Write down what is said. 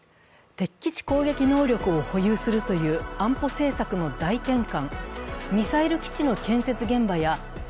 敵基地攻撃能力を保有するという安保政策の大転換。